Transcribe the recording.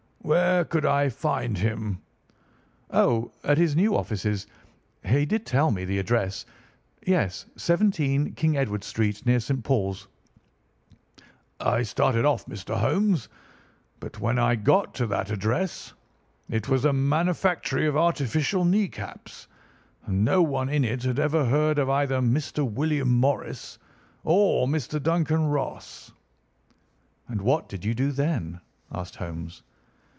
"'Where could I find him?' "'Oh, at his new offices. He did tell me the address. Yes, 17 King Edward Street, near St. Paul's.' "I started off, Mr. Holmes, but when I got to that address it was a manufactory of artificial knee caps, and no one in it had ever heard of either Mr. William Morris or Mr. Duncan Ross." "And what did you do then?" asked Holmes.